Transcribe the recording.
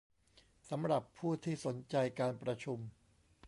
สำหรับผู้ที่สนใจการประชุม